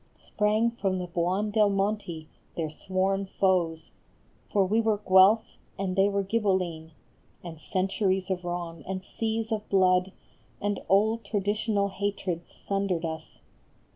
Sprang from the Buondelmonti, their sworn foes ; For we were Guelph and they were Ghibelline, And centuries of wrong, and seas of blood, And old traditional hatreds sundered us.